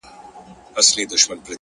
• داسي نه كړو،